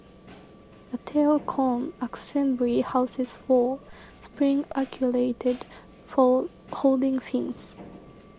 The tail cone assembly houses four, spring-actuated folding fins.